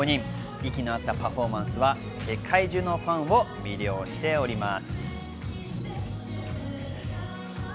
息の合ったパフォーマンスは世界中のファンを魅了しております。